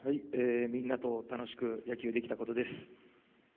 みんなと楽しく野球できたことです。